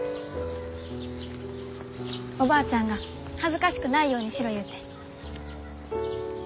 おばあちゃんが恥ずかしくないようにしろ言うて。